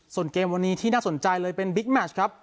ส่วนเกมวันนี้ที่น่าสนใจเลยเป็นบิ๊กแมชครับ